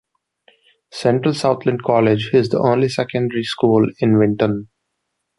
Central Southland College is the only secondary school in Winton.